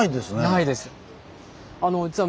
ないです。